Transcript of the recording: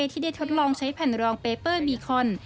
ที่ได้ทดลองใช้แผ่นรองเปเปอร์บีคอน